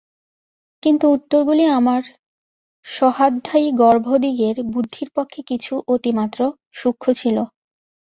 কিন্তু উত্তরগুলি আমার সহাধ্যায়ী গর্দভদিগের বুদ্ধির পক্ষে কিছু অতিমাত্র সূক্ষ্ণ ছিল।